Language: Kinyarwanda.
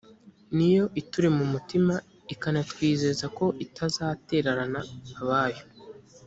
niyo iturema umutima ikanatwizeza ko itazatererana abayo